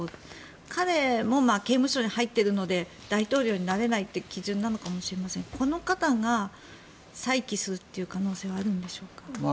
彼も刑務所に入っているので大統領になれないという基準かもしれませんがこの方が再起するという可能性はあるんでしょうか。